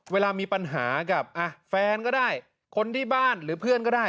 เวลามีปัญหากับแฟนก็ได้คนที่บ้านหรือเพื่อนก็ได้